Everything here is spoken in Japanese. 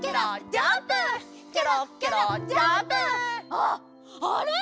あっあれ？